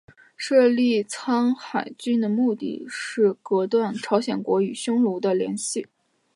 设立苍海郡的目的是阻隔朝鲜国与匈奴的联系。